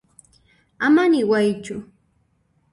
Ama niwaychu.